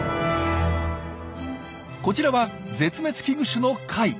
こちらは絶滅危惧種の貝。